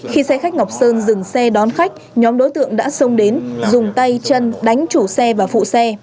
khi xe khách ngọc sơn dừng xe đón khách nhóm đối tượng đã xông đến dùng tay chân đánh chủ xe và phụ xe